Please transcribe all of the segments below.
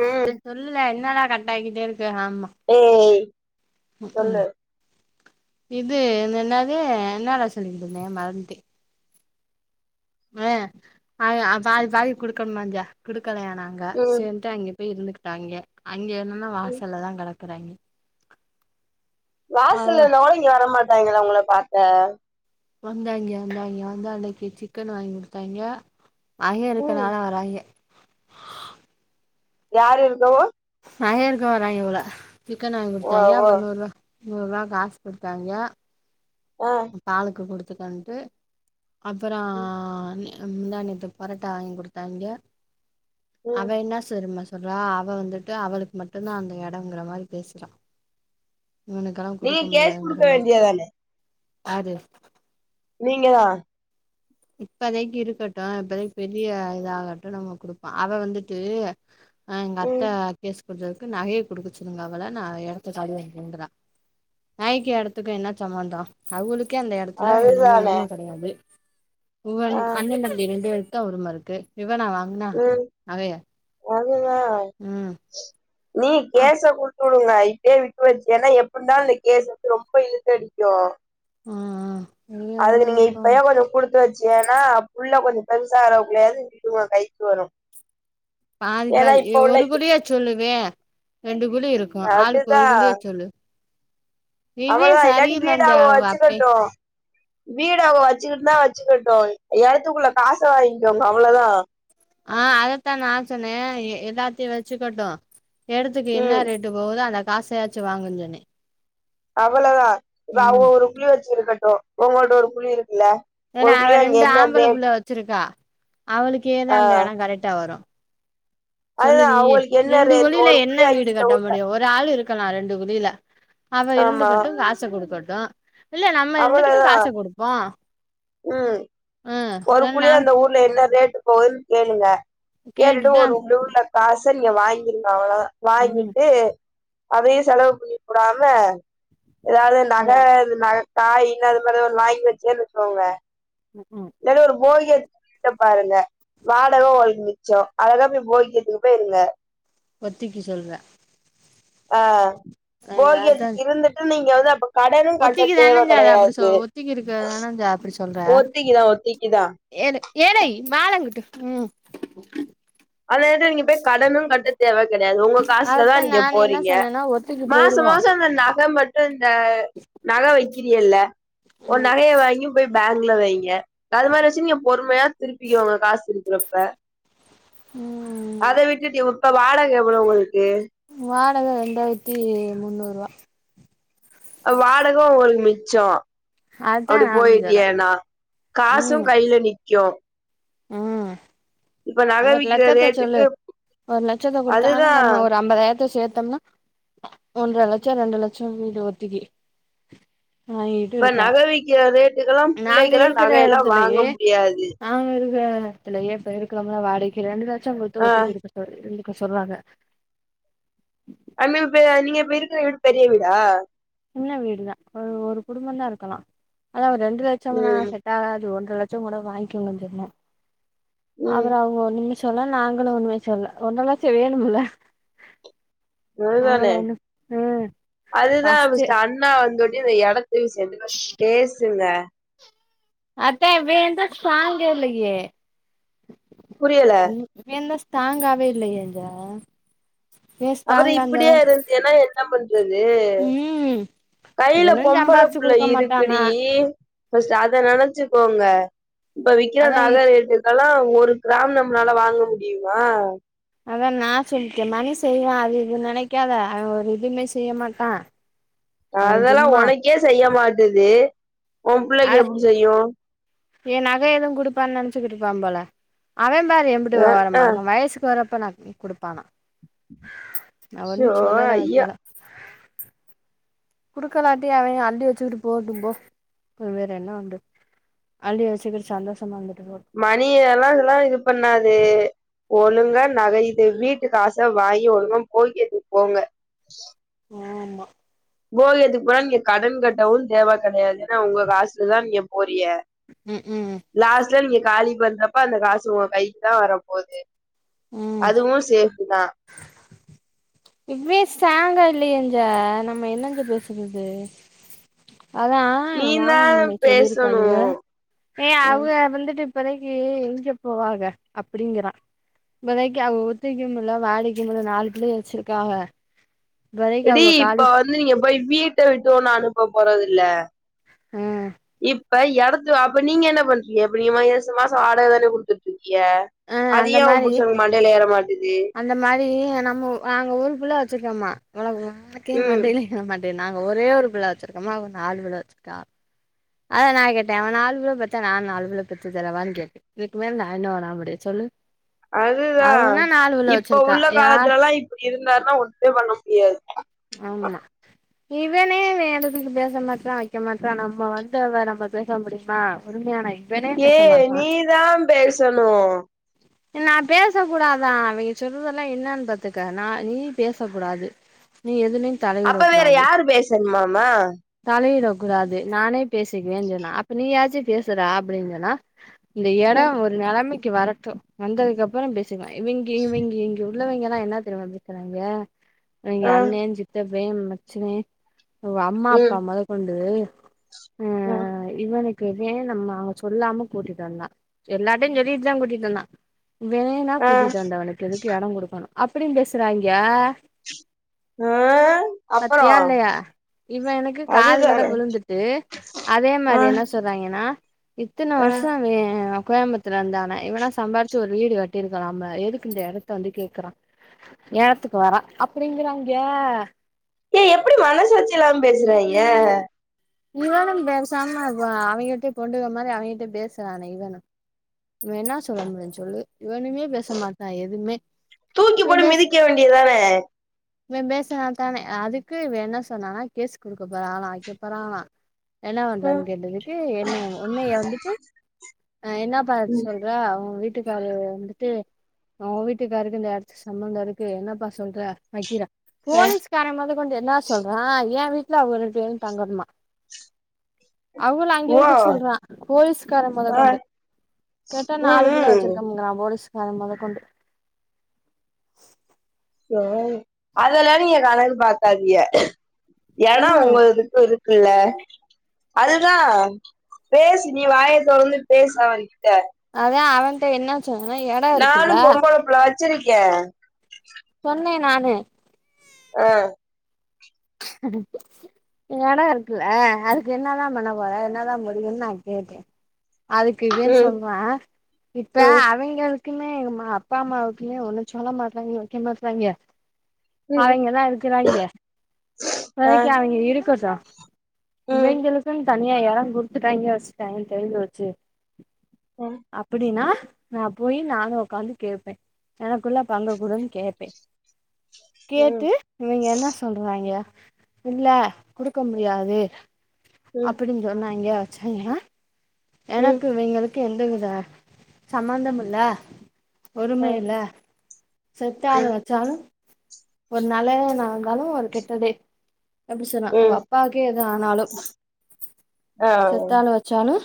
ம் ஆ சொல்லல என்னடா கட் ஆகிட்டே இருக்கு ஆமா ஏய் ம் ம் சொல்லு இது என்னாது என்னடா சொல்லிக்கிட்டுந்தே மறந்துட்டே ஆ பா வாதி கொடுக்கணுமாஞ்சா கொடுக்கலையா நாங்க ம் சேர்ண்ட்டு அங்க போய் இருந்துகிட்டாய்ங்க அங்க என்னன்னா வாசல்ல தா கெடக்குறாய்ங்க வாசல்ல நொளஞ்சி வர மாட்டாங்களா உங்கள பாக்க வந்தாய்ங்க வந்தாய்ங்க வந்து அன்னைய்க்கு சிக்கன் வாங்கி குடுத்தாய்ங்க அங்க ம் இருக்கனால வர்றாய்ங்க யாரு இருக்கவு நகைய இருக்கு வராய்ங்க போல சிக்கன் வாங்கி ஓ குடுத்தாய்ங்க ஓ அப்றோ நூறு ரூபா நூறுபா காசு குடுத்தாய்ங்க ஆஹ் தாலுக்கு குடுத்துக்கன்ட்டு அப்பறா நீய முந்தா நேத்து புரட்டா வாங்கி கொடுத்தாங்க்யே ம் அவெ என்னா செருமாஸ் உறா அவ வந்துட்டு அவளுக்கு மட்டுன்தா அந்த எடங்குற மாரி பேசிட்டா உனக் நீங்க கேஸ் குடுக்க வேண்டியதானே ஆறு நீங்கதா இப்பதைக் இருக்கட்டு இப்பதைக் பெரிய இதாகட்டு நம்ம குடுப்ப அவ வந்துட்டு ஆ எங்க அத்த ம் கேஸ் குடுத்ததுக்கு நகைய குடுக்கச் சுல்லுங்க அவள நா எடத்த காலி பண்ணுங்கறா நகைக்கி எடத்துக்கு என்னாச் சம்மந்தோ அவுளுக்கே அந்த எடத்துல இனிமே அதுதானே உரிம கெடையாது ஆ உவன்க் அண்ணே தம்பி மந்தி ரெண்டு பேருக்க உருமை இருக்கு இவனா வாங் உன் அதுதா ம் நீ ஆ கேச குட் குள்னை இப்யே விட்டு வச் என்னா எப்புட்னால் இ கேஸ் வந்து ரொம்ப இழுத்தடிக்கு ம்ம் அதுக்கு நீங்க இப்பையா கொஞ்சோ குடுத் ட்டுவச்சியனா புள்ள கொஞ்சு பெருசாககுள்ளையாவது உங்க கைக்கு வரு பாதி ஏன்னா காதி எ இப்ப உள்ள ஒரு குடியா ச்சொல்லுவே ரெண்டு குழி இருக்கு ஆளுக்கு ஒரு குழிய சொல்லு இவே அவ்ளதா இல்லாட்டி சரியில்லஞ்ச வீடாவு அவ அப்பே வச்சுக்கட்டு வீடாவு வச்சிக்கிட்னா வச்சிக்கட்டோ எடத்துக்குள்ள காச வாங்கிக்கோங்க அவ்ளதா ஆ அதத்தா நா சொன்னே எ எல்லாத்தையு வச்சுக்கட்டும் எடத்துக்கு என்னா ம் ரேட் போகுது அந்த காசையாச்சு வாங்குன் சொன்னே அவ்வளதா இப்ப அவங்க ம் ஒரு குழி வச்சு இருக்கட்டு உங்கள்ட்ட ஒரு குழி இருக்குல்ல ஒரு குழி அங்க என்ன வேட் ச்சுருக்கா அவளுக்கேதா அந்த எடோ கரெக்டா வரு சொல்லு அதுதா நீயே அவங்களுக்கு என்ன ரெண்டு ரேட் குழில ஒரு என்ன குழி அங்க வீடு இந்த கட்ட ஊர்ல முடியு ஓ ராள் இருக்கலா ரெண்டு குழில அவ ஆமா இருந்துக்கட்டு காச குடுக்கட்டு இல்ல நம்ம இருந்துக்குட்டு அவ்வளதா காச குடுப்போ ம் ம் ஒரு நா குழிய அந்த ஊர்ல என்ன ரேட்டு போதுன் கேளுங்க கேட்டுட்டு ஒரு உக்தூர்ல காச நீங்க வாங்கிர்ளா அவ்ளதா ம் வாங்கிட்டு அதையு செலவு பண்ணி குடாம ஏதாவது நக அதா இது நக காயின் அது மாரி ஒரு நாய் வெச்சின் கோங்க ம்ம் எல ஒரு போல்கேட் ட்ட பாருங்க வாடக ஒல் மிச்சோ அழகா போய் போல் கேட்டுக்கு போய் இருங்க ஒத்திக்கி சொல்வே அ அ அதா போல்கேட் இருந்துட்டு நீங்க வந்து அப்ப கடனு கட்ட ஒத்திக்கு தேவ தானஞ்ச அது அப்டி சொ கடையாது ஒத்திக்கு இருக்கதானஞ்ச ஒத்திக்குதா ஒத்திக்கிதா ஏலெ ஏலெய் மவாழங்கட்டு உம் அல எது நீங்க போய் கடனு கட்ட தேவ கெடையாது உங்க காஸ்ல தா அதத்தா நீங்க நான் என்ன போறீங்க சொன்னேன்னா ஒத்திக்கு மாச போயிருவோ மாச அந்த நக மட் ருந்த நக வக்கிறியல்ல ஒ ம் நகைய வாங்கி போய் பேங்க்ல வைங்க கது மாரி வசிங்க்யு பொறுமையா திருப்பிக்யோங்க காஸ் இருக்றப்ப ம் அத விட்டுட்டுயு உப்ப வாடக எவ்வளோ உங்களுக்கு வாடக ரெண்டாயிரத்தி முன்னூறுவா அ வாடக உங்களுக் மிச்சோ அதா அப்டி நானு சொல்றே போயிட்டியேன்னா காசு ம் கைல நிக்கு ம் இப்ப நக ஒரு விக்கிற லட்சத்த சொல்லு ரேட்டுக்கு ஒரு லட்சத்த கொடுத்தா ஆனா அதுதா நம்ம ஒரு அம்பதாயிரத்த சேத்தோம்னா ஒன்ற லட்சொ ரெண்டு லட்சொ மீதி ஒத்திக்கி ஆயி இப்ப நக விக்கிற ரேட்டுக்குலா புள்ளைக்கெல்லா இருக்கிற நகையெல்லா வாங்க எடத்துலயே முடியாது நாங்க இருக்குற எடத்துலய இப்ப இருக்கிறோம்ல வாடகைக்கு ரெண்டு லட்சொ கொடுத்து ஆ ஒத்திக்கு இருக்க சொ இருந்துக்க சொல்றாங்க அதுமாரி ப்ப நீங்க இப்ப இருக்குற வீடு பெரிய வீடா சின்ன வீடுதா ஒரு ஒரு குடும்பந்தா இருக்கலா ஆனா ஒரு ரெண்டு லட்சம்லா ம் செட் டாகாது ஒன்ற லட்சங் கூட வாங்கிக்கோங்கன்னு சொன்னோ ம் அப்புறோ அவுங்க ஒன்னுமே சொல்ல நாங்களு ஒன்னுமே சொல்ல ஒன்ற லட்சொ வேணும்ல அவங்களு இவ்ளோதானே ஒண்ணு ம் அதுதா ஃபஸ்ட்டு விஷ் ஜண்ணா வந்தோன்னே இந்த எடத்தையு சேர்த்து ஃபஸ்ட் பேசுங்க அதா இவே எந்தா சாங்கு இல்லயே புரியல அவெந்தா ஸ்தாங்காவே இல்லையங்க அப்புறோ இப்டியே இருந்தியேன்னா என்னா பண்றது ம் கைல இவனு பொம்பள சம்பாரிச்சு புள்ள குடுக்க இருக்குடி மாட்டானா ஃபஸ்ட் அத நெனைச்சுக்கோங்க இப்ப விக்கிற அதா இ நக ரேட்டு க்கெல்லா ஒரு கிராம் நம்மளால வாங்க முடியுமா அதா நா சொல்லிட்டே மணி செய்வா அது இது நினைக்காத அவ ஒரு இதுமே செய்ய மாட்டா அவ அதெல்லா சும்மா ஒனக்கே செய்ய மாட்டுது ஒ புள்ளைக்கு எப்டி செய்யு ஏ நகை எதுவு குடுப்பன்னு நெனச்சுக்குட்டு இருப்பான் போல அவெ பாரு எம்புட்டு அ வெவரமா ஆ இருக்கான் வயசுக்கு வரப்ப நகைய குடுப்பானா நா ஒன்னு ஐயோ சொல்லல ஐயா வைக்கல குடுக்கலாட்டி அவெ அள்ளி வச்சுக்கிட்டு போகட்டும்போ வேற என்ன பண்ற அள்ளி வச்சிக்ட்டு சந்தோஷமா இருந்துட்டு போ மணி எல்லா இதெல்லா இது பண்ணாது ஒழுங்கா நகை இது வீட்டு காச வாங்கி ஒழுங்கா போகியத்துக்கு போங்க ஆமா போகியத்துக்கு போனா நீங்க கடன் கட்டவு தேவ கெடையாது ஏன்னா ஒங்க காசுலதா நீங்க போறிய ம் ம் லாஸ்ட்ல நீங்க காலி பண்றப்ப அந்த காசு உங்க கைக்குதா வர போது ம் அதுவு சேஃப்டிதா இவே ஸ்ராங்கா இல்லையங்க நம்ம என்னங்க பேசுறது அதா நீ எங்க தா மாமமும்மை பேசணு சொல்லியிருக்காளுக ஏ ஆ அவ்க வந்துட்டு இப்பதைக்கு எங்க போவாக அப்படிங்கிறா இப்பதைக்கு அவு ஒத்திக்கும் இல்ல வாடைக்குமுல்ல நாலு பிள்ளையே வச்சிருக்காக இப்பதைக்கு ஏடி அவ இப்ப காலி வந்து நீங்க போய் வீட்ட விட்டு ஒன்னு அனுப்ப போறதுல்ல ஆ இப் ப எடத்து அப்ப நீங்க என்ன பண்றீங்க இப்ப நீங்க [unintelligible] மாசோ வாடக தானே குடுத்துட்டுருக்கீயே ஆ அது அந்த ஏ ஒ மாரி புருஷன்க் மண்டையில ஏற மாட்டுது அந்த மாரி நம்ம நாங்க ஊரு ஃபுல்லா வச்சிருக்கோம்மா ம் [unintelligible] என்ன மாட்டே நாங்க ஒரே ஒரு புள்ள வச்சிருக்கோம்மா அவ நாலு புள்ள வச்சிருக்காகளா அதா நா கேட்டே அவ நாலு புள்ள பெத்தா நானு நாலு புள்ள பெத்து தரவான் கேட்டே இதுக்கு மேல நா இன்னு நா பண்ண முடியு சொல்லு அதுதா அவனா நாலு புள்ள இப்ப வச்சிருக்கா உள்ள யார் காலத்துலல்லா இப்டி இருந்தாருன்னா ஒன்னுமே பண்ண முடியாது ஆமா இவனே வேடத்துக்கு பேச மாட்றா வைக்க மாட்றா நம்ம வந்தவ நம்ம பேச முடியுமா பொறுமையானை ஏ நீதான் பேசணூ நா பேசக்கூடாதா அவிங்க சொல்றதல்லா என்னன் பாத்துக்க நா நீ பேசக் கூடாது நீ எது நீ அப்ப வேர யாரு பேசணுமாமா தலையிடக் கூடாது நானே பேசிக்குவேன் சொன்னா அப்ப நீ யாச்சு பேசுறா அப்டின் சொன்னா இந்த எடொ ஒரு நெலமைக்கி வரட்டு வந்ததுக்கப்பற பேசிக்லா இவிங்கே இவிங்கே இங்க உள்ளவங்க எல்லா என்னா தெரிமா பேசுறாங்ங எங்க ஆ அண்ணே சித்தப்பே மச்சினே ஓ அம்மா அப்பா ம் மொத கொண்டு ஆ இவன இப்பவே நம்ம அவ சொல்லாம கூட்டிட்டு வந்தா எல்லார்டயு சொல்லிட்டு தா கூட்டிட்டு வந்தான் வேணா ஆ கூட்டிட்டு வந்தவனுக்கு எதுக்கு எடொ கொடுக்கணு அப்டின் பேசுறாங்ங ஆ அப்பறோ பத்தியால்லையா இவ எனக்கு காது வட அதுதான விழுந்துட்டு அதே ஆ மாரி என்ன சொ றாங்கன்னா இத்தன ஆ வருஷொ வே கோயம்மத் துல இருந்தான இவனா சம்பாரிச்சு ஒரு வீடு கட்டியிருக்கலாம்ல எதுக்கு இந்த எடத்த வந்து கேக்குறான் ஏரத்துக்கு வரா அப்படிங்கறாங்ங ஏ எப்புடி மனசாட்சி இல்லாம பேசுறாங்ங இவனும் பேசாம அவோ அவங்கிட்டே பொண்டுக மாரி அவங்ககிட்ட பேசுறான இவனு இவ என்னா சொல்ல முடியுஞ் சொல்லு இவனுமே பேச மாட்டான் எதுமே தூக்கி இவ போட்டு பேசு மிதிக்க வேண்டியதான இவ பேசுனா தான அதுக்கு இவ என்ன சொன்னானா கேசு குடுக்க போறாகலா வைக்க போறாகலா என்ன ஓ பண்றன்னு கேட்டதுக்கு என்ன உன்னைய வந்துட்டு அ என்னப்பா சொல்ற அவ வீட்டுக்காரு வந்துட்டு ஒன் வீட்டுக்காருக்கு இந்த எடத்துக்கு சம்பந்த இருக்கு என்னப்பா சொல்ற வக்கிற போலீஸ்கார மொத கொண்டு என்ன சொல்றா ஏன் வீட்டுல அவுக ரெண்டு பேரு தங்கணுமா அவுகள அங்கே இருக்க சொல்றா போலீஸ்கார மொத ஆ கொண்டு கேட்டா ம் நாலு புள்ள ம் வச்சிருக்கம்கிரா போலீஸ்கார மொத கொண்டு ச அதெல்லா நீங்க கணக்கு பாக்காதீய எடொ ம் உங்கள்கிட்ட இருக்குல்ல அதுதா பேசு நீ வாயத் தொறந்து பேசு அவன் கிட்ட அதா அவன்ட்ட என்ன சன்னா ஏல் நாலும் பொம்பள புள்ள வச்சிருக்கே சொன்னே நானு அ அ எடொ இருக்குல்ல அதுக்கு என்ன தா பண்ண போற என்ன தா முடிவுன்னு நா கேட்டே அதுக்கு இவே ம் சொல்றா இப்ப ம் அவங்களுக் க்குமே மா அப்பா அம்மாவுக்குமே ஒன்னு சொல்ல மாட்றாங்ங வைக்க மாட்றாங்ங ம் அவய்ங்கதா இருக்கிறாய்ங்க ஆ இப்போதைக் அவய்ங்க இருக்கட்டு ம் இவைங்களுக்குன் தனியா எட குடுத்துட்டாய்ங்க வச்சுட்டான்னு தெரி்ஞ்சு வச்சு ம் அப்படின்னா நா போயி நானு ஒக்காந்து கேப்பே எனக்குள்ள பங்க குடும்ன்னு கேப்பே ம் கேட்டு இவங்க என்னா சொல்றாங்க இல்ல குடுக்க முடியாது ம் அப்டின்னு சொன்னாய்ங்க வச்சாய்ங்கனா ம் எனக்கு இங்களுக்கு எந்த வித சம்பந்தமில்ல ஆ உரிம இல்ல செத்தாலு ம் வச்சாலு ஒரு நெல நாங்களாலு ஒரு கெட்டதே எப்படி சொன்னா ம் அப்பாவுக்கே எது ஆனாலு ஆ செத்தாலு வ ச்சாலு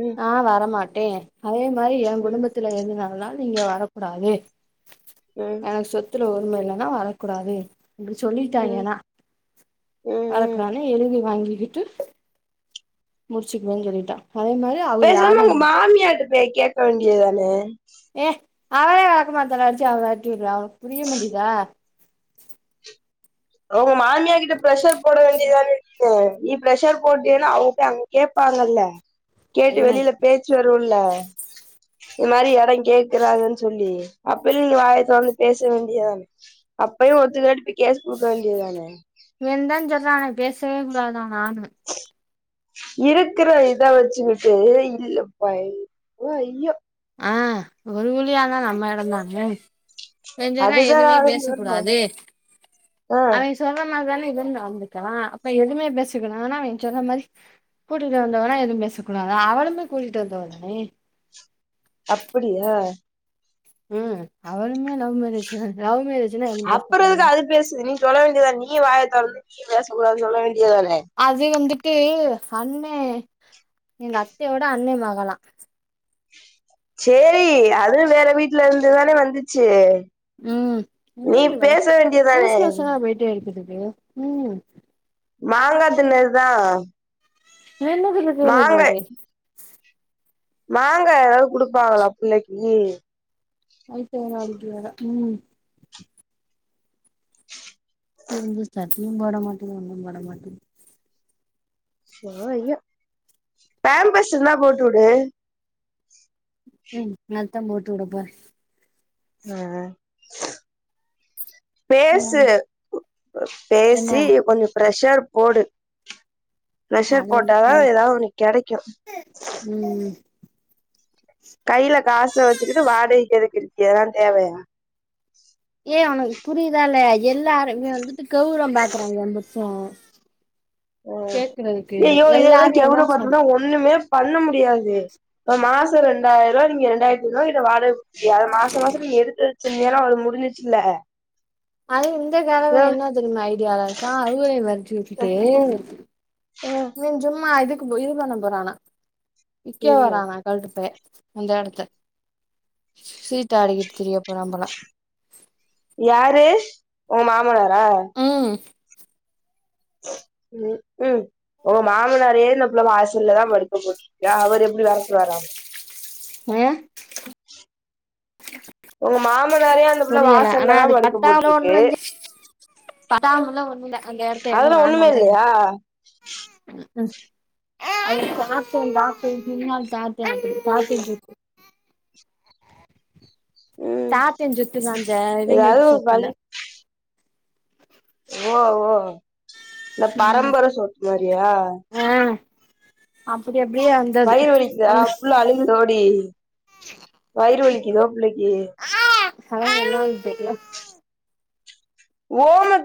ம் நா வரமாட்டே அதே மாரி ஏ ம் குடும்பத்துல ஏது நடந்தாலு நீங்க வரக்கூடாது ம் எனக்கு சொத்துல உரிம இல்லன்னா வரக்கூடாது இப்டி ம் சொல்லிட்டாய்ங்கன்னா ம் ம் வரக்கூடாதுனு எழுதி வாங்கிக்கிட்டு முடிச்சிக்கவே சொல்லிட்டா அதே மாரி அவ யாரு பேசாமா உங்க நம்ம மாமியார்ட்ட போய் கேக்க வேண்டியதான ஏ அவரே வழளக்கமாத்தால்ல அடிச்சு அவ வெரட்டி விடுறா புரிய மாட்டிதா ஓ மாமியா கிட்ட பிர்ரெஷர் போட வேண்டியதான டி நீ ப்ரெஷர் போட்டேன்னா அவங்க போய் அங் கேப்பாங்கல்ல கேட்டு என்ன வெளியில பேச்சு வருல்ல இது மாரி எட கேக்குறாங்கன்னு சொல்லி அப்பிலு நீ வாய தொறந்து பேச வேண்டியதான அப்பையு ஒத்துக்காட்டி போய் கேஸ் குடுக்க வேண்டியதுதான இவன்தா சொல்ரான்ல பேசவே கூடாதா நானு [inaudible] இருக்கிற இத வச்சுக்கிட்டு இல்ல ப ஐயோ ஐயோ ஆ ஒரு வழியா தா நம்ம எடந்தானே கெஞ்சன்னா அதுதா எதுவுமே பேச கூடாது ஆ அவ சொல்ற மாரி தானே இவனு நடந்துக்குறா அப்ப எதுமே பேசக்கூடாதுன்னா அவ சொன்ன மாரி கூட்டிட்டு வந்தவனா எதும் பேசக்கூடாதா அவளுமே கூட்டிட்டு வந்தவ தானே அப்படியா ம் அவளுமே லவ் மேரேஜ் லவ் மேரேஜ்ன்னா எதுவு அப்புறோ எதுக்கு பேசக்கூடாதா அது பேசுது நீ சொல்ல வேண்டியதா நீயு வாயை தொறந்து நீயு பேசடாதுனு சொல்ல வேண்டியதானே அது வந்துட்டு அண்ண எங்க அத்தையோட அண்ண மகலா சேரி அது வேற வீட்ல இருந்துதானே வந்துச்சு ம் நீ என்னவ பேச வேண்டியதானே லூஸ் மோசனா போயிட்டே இருக்குதுக்கு ம் மாங்கா தின்னதுதா மென பிலக்குளை மாங்கா போதே மாங்கா ஏதாது குடுப்பாங்களா பிள்ளைக்கு ஐத்த வேற நாளைக்கி வாரா ம் வந்து சட்டியு போட மாட்டேங்கு ஒன்னு போட மாட்டேங் ஐயோ ஐயோ பேம்பஸ் இருந்தா போட்டு விடு ம் அதத்தா போட்டு வுட போறே ஆ ஆ பேசு ம் என்ன பேசி கொஞ்ச பிரெஷர் போடு ப்ரெஷர் அழகு போட்டாதா ஏதா ஒன்னு கெடைக்கு ம் கையில காச வச்சுக்குட்டு வாடகைக்கு எடுக்குறீங்க இதல்லா தேவையா ஏய் உனக்கு புரியுதா இல்லயா எல்லாருமே வந்துட்டு கெவுரவோ பாக்குறாங்க ஏ புத்தியு ம் ஏய் யோ இதெல்லா என்ன கெவுரவோ சொல் பாத்துருந்தா ஒண்ணுமே பண்ண முடியாது மாசோ ரெண்டாயிர் ரூவா நீங்க ரெண்டாயிரத்தி ஐநூவா கிட்ட வாடக குடுத் ஏ அத மாச மாசோ நீ எடுத்து வச்சுருந்தியினா அவ்ளோ முடிஞ்சிச்சில்ல அதுவு இந்த காலத்துல என்ன தெரியுமா ஐடியால இருக்கா அவுங்களையு வெரட்டி விட்டுட்டு இவன் சும்மா இதுக்கு போ இது பண்ண போறானா விக்க எது போறானாங் கெழட்டு பைய அந்த எடத்த சீட்டு ஆடிக்கிட்டு திரிய போறா போல யாரு ஓ மாமனாரா ம் ம் ம் உங்க மாமனாரையே இந்த புள்ள வாசல்ல தா படுக் யா அவர் எப்டி வெரட்டுவாரா ஏ உங்க மாமனாரையு அந்தப்புள்ள புரியல வாசல்ல தா படுக்க போட்டுருக்கு பட்டாவுமுல்ல ஒண்ணு இல்ல அந்த எடத்த எவுனு அதெல்லா வாங்க ஒண்ணுமே முடியாது இல்லையா ம் அது சும்மாக்கு பார்பேன் சும்மா பாத்தேன் அப்டி பாத்துகிட்ருக்கு ம் தாத்தே சொத்து தாந்த ஏதாவது இவெங்கள்ட்டு ஒரு சொத்துல்ல வழி ஓ ஓ இந்த ம் பரம்பர சொத்து மாரியா ஆ அப்டி அப்டிய வயிறு வலிக்கிதா புள்ள அழுகுதோடி வயிறு வலிக்கிதோ புள்ளைக்கி [inaudible] கேக்குதா ஓலட்